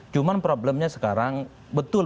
cuman problemnya sekarang betul